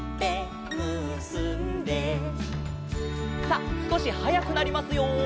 さあすこしはやくなりますよ。